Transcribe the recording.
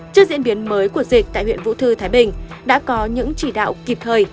trước diễn biến mới của dịch tại huyện vũ thư thái bình đã có những chỉ đạo kịp thời